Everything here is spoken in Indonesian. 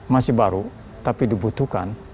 masih baru tapi dibutuhkan